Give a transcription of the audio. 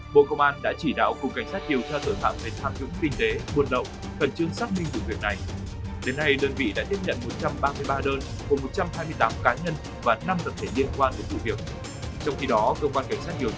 bộ công an đã chỉ đạo cục cảnh sát điều tra tựa phạm về tham dũng kinh tế